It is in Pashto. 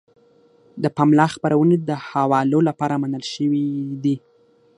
د پملا خپرونې د حوالو لپاره منل شوې دي.